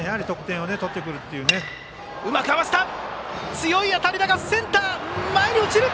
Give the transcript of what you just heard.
強い当たりだがセンター前に落ちる。